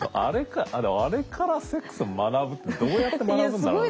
あれからセックスを学ぶっていうのはどうやって学ぶんだろう。